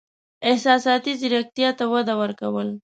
احساساتي زیرکتیا ته وده ورکول: